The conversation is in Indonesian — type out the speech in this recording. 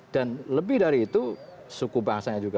dan lebih dari itu suku bangsa juga begitu besar